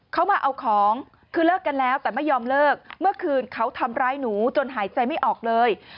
เขามาเอาของคือเลิกกันแล้วแต่ไม่ยอมเลิกเมื่อคืนเขาทำร้ายหนูจนหายใจไม่ออกเลย